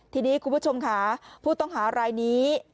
ทีนี้คุณผู้ชมค่ะผู้ต้องหารายนี้